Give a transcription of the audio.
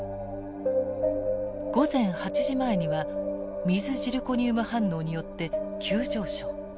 午前８時前には水ジルコニウム反応によって急上昇。